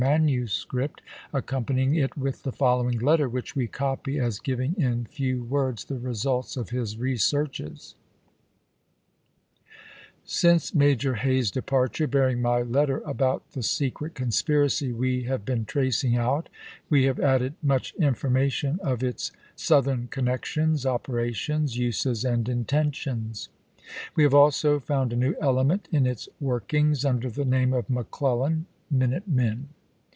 manuscript, accompanying it with the following letter, which we copy as giving in few words the results of his researches: " Since Major Hay's departure, bearing my letter about the secret conspiracy we have been tracing out, we have added much information of its South ern connexions, operations, uses, and intentions. " We have also found a new element in its work ings under the name of McClellan minute men.